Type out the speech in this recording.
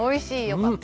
よかった！